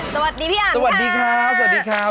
สวัสดีพี่อันค่ะสวัสดีครับ